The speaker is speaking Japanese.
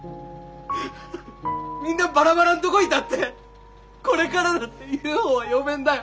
みんなバラバラんとごいたってこれからだってＵＦＯは呼べんだよ。